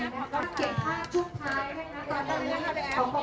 ขอบคุณครับ